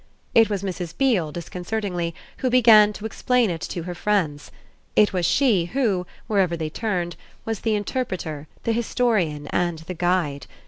It was Mrs. Beale, disconcertingly, who began to explain it to her friends; it was she who, wherever they turned, was the interpreter, the historian and the guide.